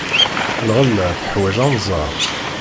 Lɣella teḥwaj anẓar.